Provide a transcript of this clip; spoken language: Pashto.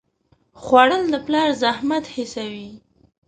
خوړل د پلار زحمت حسوي